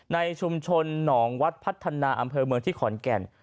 ในชุมชนหนองวัดพัฒนาอำเภอเมืองที่ขอนแก่น